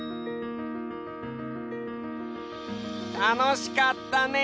たのしかったね！